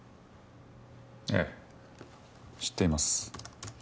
ええ知っています。